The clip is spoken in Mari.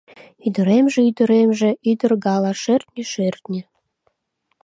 Ӱдыремже, ӱдыремже — ӱдыр гала, шӧртньӧ, шӧртньӧ!